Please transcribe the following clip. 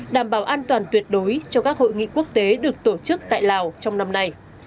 đảm bảo an toàn tuyệt đối cho các hội nghị quốc tế được tổ chức tại lào trong năm nay